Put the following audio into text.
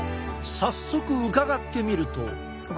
早速伺ってみると。